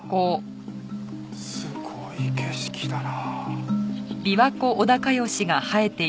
すごい景色だな。